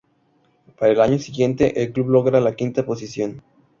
Para el año siguiente, el club logra la quinta posición.